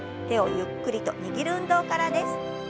手をゆっくりと握る運動からです。